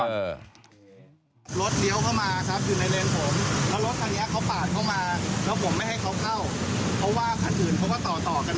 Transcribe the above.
รถเดี๋ยวเข้ามาครับอยู่ในเลนส์ผม